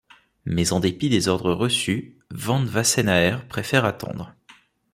Mais en dépit des ordres reçus, Van Wassenaer préfère attendre.